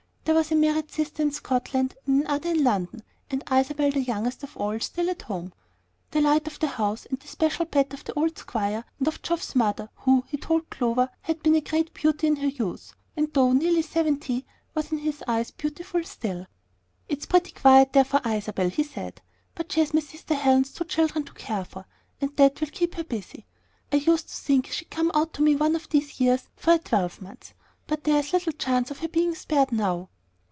There was a married sister in Scotland, and another in London; and Isabel, the youngest of all, still at home, the light of the house, and the special pet of the old squire and of Geoff's mother, who, he told Clover, had been a great beauty in her youth, and though nearly seventy, was in his eyes beautiful still. "It's pretty quiet there for Isabel," he said; "but she has my sister Helen's two children to care for, and that will keep her busy. I used to think she'd come out to me one of these years for a twelvemonth; but there's little chance of her being spared now."